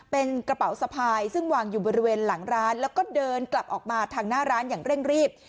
เป็นกระเป๋าสะพายซึ่งวางอยู่บริเวณหลังร้านแล้วก็เดินกลับออกมาทางหน้าร้านอย่างเร่งรีบ